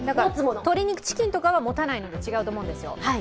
鶏肉、チキンとかはもたないので違うと思うんですよ。